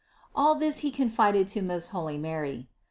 All this He confided to most holy Mary.